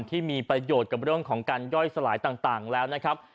ที่มีประโยชน์กับเรื่องของการย่อยสลายต่างแล้วนะครับ